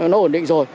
nó ổn định rồi